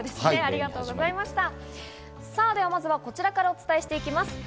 ではまずはこちらからお伝えしていきます。